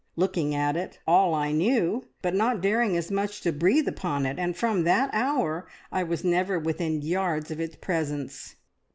looking at it all I knew, but not daring as much as to breathe upon it, and from that hour I was never within yards of its presence."